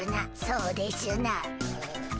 そうでしゅな。